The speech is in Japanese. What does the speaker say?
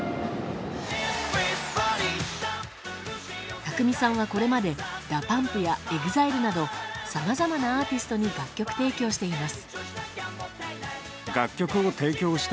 宅見さんはこれまでＤＡＰＵＭＰやＥＸＩＬＥなどさまざまなアーティストに楽曲提供しています。